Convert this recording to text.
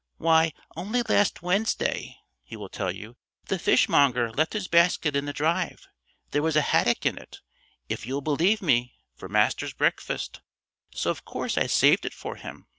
"Why only last Wednesday," he will tell you, "the fishmonger left his basket in the drive. There was a haddock in it, if you'll believe me, for Master's breakfast, so of course I saved it for him.